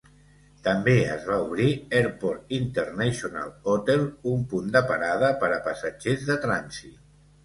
També es va obrir Airport International Hotel, un punt de parada per a passatgers de trànsit.